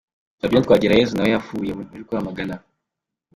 Fabien Twagirayezu na we yavuye muri Rwamagana.